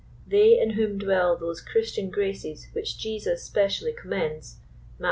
They in whom dwell those christian graces which Jesus specially commends, (Malt.